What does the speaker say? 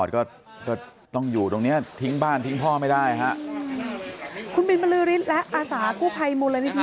คุณบิลฟะลื้อรินและอสาธารณ์กูภัยมูลนิษฐ์